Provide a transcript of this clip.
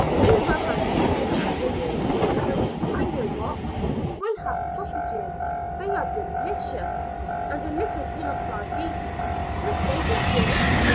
Do run round the corner and bring in Oh! I know what. We'll have sausages they are delicious and a little tin of sardines won't they be good?